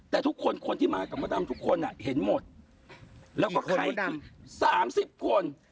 แต่ทุกคนคนที่มากับมดำทุกคนอ่ะเห็นหมดแล้วก็สามสิบคน